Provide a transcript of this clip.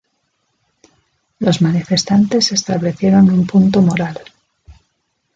Los manifestantes establecieron un punto moral.